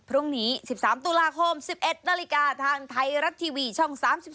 พรุ่งนี้๑๓ตุลาคม๑๑นาฬิกาทางไทยรัฐทีวีช่อง๓๒